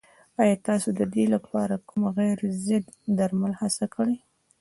ایا تاسو د دې لپاره کوم غیر ضد درمل هڅه کړې؟